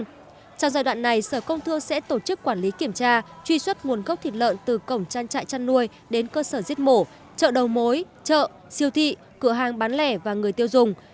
trong giai đoạn này sở công thương sẽ tổ chức quản lý kiểm tra truy xuất nguồn gốc thịt lợn từ cổng trang trại chăn nuôi đến cơ sở giết mổ chợ đầu mối chợ siêu thị cửa hàng bán lẻ và người tiêu dùng